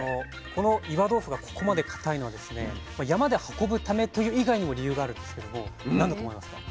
この岩豆腐がここまで固いのは山で運ぶためという以外にも理由があるんですけども何だと思いますか？